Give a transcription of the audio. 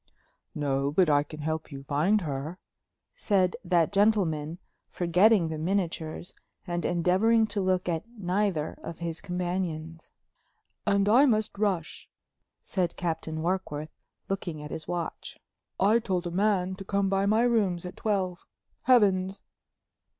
"No, but I can help you find her," said that gentleman, forgetting the miniatures and endeavoring to look at neither of his companions. "And I must rush," said Captain Warkworth, looking at his watch. "I told a man to come to my rooms at twelve. Heavens!"